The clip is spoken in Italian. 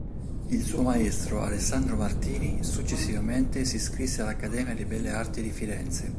Il suo maestro Alessandro Martini, successivamente si iscrisse all'Accademia di Belle Arti di Firenze.